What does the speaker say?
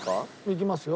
いきますよ。